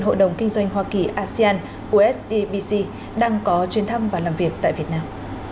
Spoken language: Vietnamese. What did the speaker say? hội đồng kinh doanh hoa kỳ asean của sgbc đang có chuyên thăm và làm việc tại việt nam